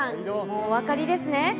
もうお分かりですね